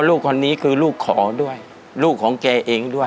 ลูกคนนี้คือลูกขอด้วยลูกของแกเองด้วย